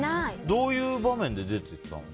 どういう場面で出てきたの？